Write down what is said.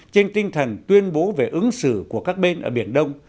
trên tinh thần tuyên bố về ứng xử của các bên ở biển đông